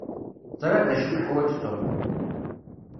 Ẓriɣ d acu i yeḥwaǧ Tom.